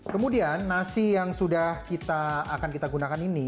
kemudian nasi yang sudah kita akan kita gunakan ini